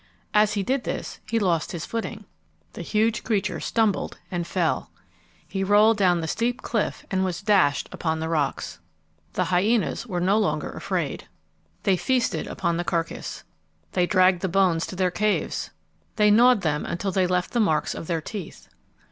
As he did this he lost his footing. The huge creature stumbled and fell. [Illustration: "He tossed one of the hyenas over the cliff"] He rolled down the steep cliff and was dashed upon the rocks. The hyenas were no longer afraid. They feasted upon the carcass. They dragged the bones to their caves. They gnawed them until they left the marks of their teeth.